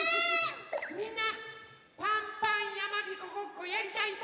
みんなパンパンやまびこごっこやりたいひと！